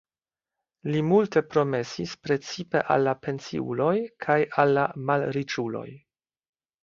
Li multe promesis precipe al la pensiuloj kaj al la malriĉuloj.